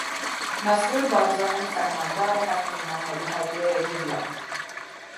Mesrûr Barzanî û Fermandarê hevpeymanê li Hewlêrê civiyan.